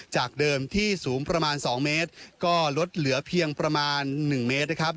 จากเดิมที่สูงประมาณ๒เมตรก็ลดเหลือเพียงประมาณ๑เมตรนะครับ